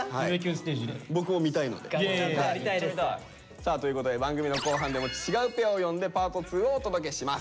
さあということで番組の後半でも違うペアを呼んでパート２をお届けします。